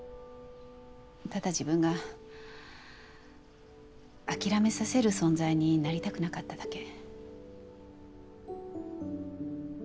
ただ自分が諦めさせる存在になりたくなかっただけ。